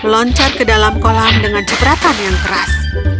loncat ke dalam kolam dengan jepratan yang keras